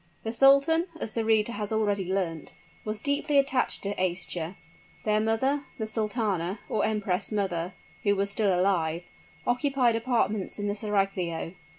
The sultan, as the reader has already learnt, was deeply attached to Aischa. Their mother, the sultana, or empress mother, who was still alive, occupied apartments in the seraglio.